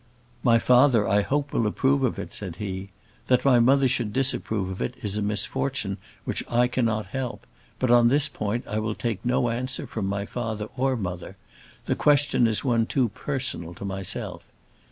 "My father I hope will approve of it," said he. "That my mother should disapprove of it is a misfortune which I cannot help; but on this point I will take no answer from my father or mother; the question is one too personal to myself.